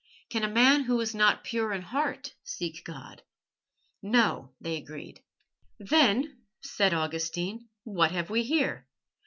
"Can a man who is not pure in heart seek God?" "No," they agreed. "Then," said Augustine, "what have we here?